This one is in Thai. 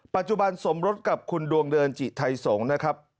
ปัจจุบันสมรสกับคุณดวงเดินจิไทยสงฆ์นะครับ